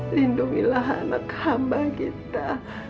lindungilah anak hamba gita